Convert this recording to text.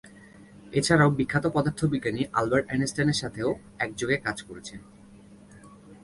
এছাড়াও, বিখ্যাত পদার্থবিজ্ঞানী আলবার্ট আইনস্টাইনের সাথেও একযোগে কাজ করেছেন।